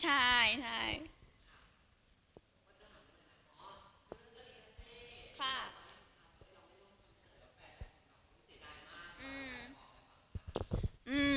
ใช่ใช่